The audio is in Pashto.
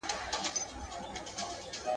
خو دا ته یوازي نه یې په دې غم کي `